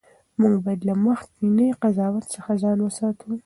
موږ باید له مخکني قضاوت څخه ځان وساتو.